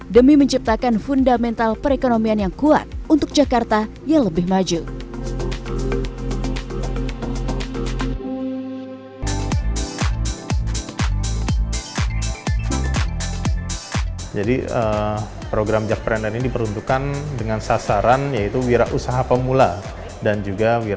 demi menciptakan fundamental perekonomian yang kuat untuk jakarta yang lebih maju